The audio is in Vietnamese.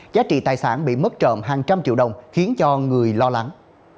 giá trị tài sản bị mất trộm hàng trăm triệu đồng khiến cho người lo lắng